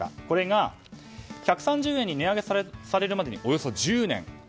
これが１３０円に値上げされるまでにおよそ１０年。